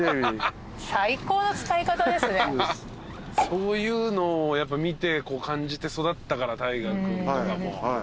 そういうのをやっぱ見て感じて育ったから太賀君とかも。